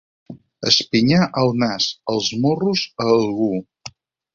Espinyar el nas, els morros, a algú.